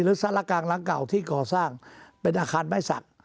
สารกลางหลังเก่าที่ก่อสร้างเป็นอาคารไม้สัก